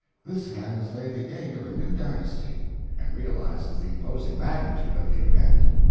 This hen has laid the egg of a new dynasty and realizes the imposing magnitude of the event.